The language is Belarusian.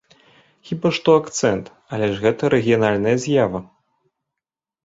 Хіба што акцэнт, але ж гэта рэгіянальная з'ява.